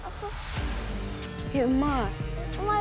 ・いやうまい。